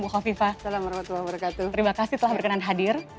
bukhawfifah assalamualaikum warahmatullah wabarakatuh terima kasih telah berkenan hadir